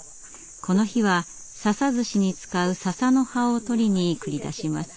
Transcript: この日は笹ずしに使う笹の葉を採りに繰り出します。